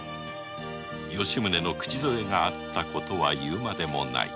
吉宗の口添えがあったのは言うまでもない